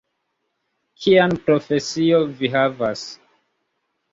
Kian profesion vi havas?